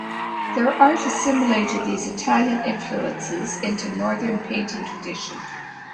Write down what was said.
Their art assimilated these Italian influences into the Northern painting tradition.